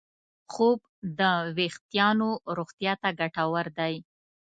خوب د وېښتیانو روغتیا ته ګټور دی.